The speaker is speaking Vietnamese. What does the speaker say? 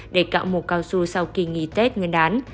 để cạo một cao su sau kỳ nghỉ tết ngân đán